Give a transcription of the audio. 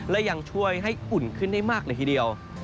และยังช่วยให้อุ่นขึ้นได้มากเลยทีเดียว